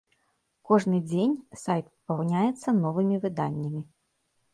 Кожны дзень сайт папаўняецца новымі выданнямі.